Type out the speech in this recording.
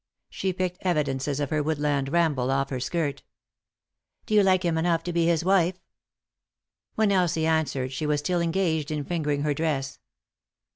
She picked evidences of her woodland ramble off her skirt " Do yon like him enough to be his wife ?" When Elsie answered she was still engaged in finger ing her dress.